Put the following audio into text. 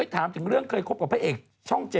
ถามถึงเรื่องเคยคบกับพระเอกช่อง๗